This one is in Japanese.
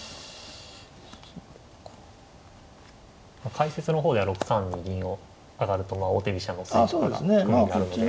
解説の方では６三に銀を上がると王手飛車の変化が含みがあるので。